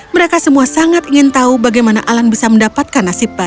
mereka semua sangat ingin tahu bagaimana alan bisa mendapatkan nasib baik